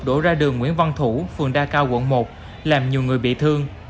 đổ ra đường nguyễn văn thủ phường đa cao quận một làm nhiều người bị thương